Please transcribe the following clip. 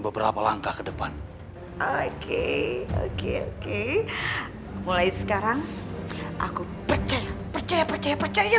beberapa langkah ke depan oke oke oke mulai sekarang aku percaya percaya percaya percaya